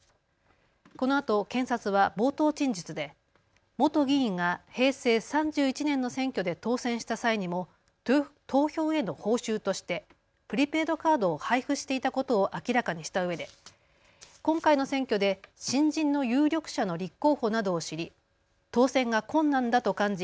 このあと検察は冒頭陳述で元議員が平成３１年の選挙で当選した際にも投票への報酬としてプリペイドカードを配布していたことを明らかにしたうえで今回の選挙で新人の有力者の立候補などを知り当選が困難だと感じ